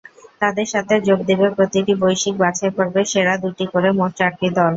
তাদের সাথে যোগ দেবে প্রতিটি বৈশ্বিক বাছাইপর্বের সেরা দুটি করে মোট চারটি দল।